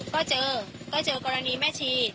ก็เจอก็เจอกรณีแม่ชี